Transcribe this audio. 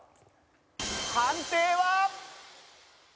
判定は。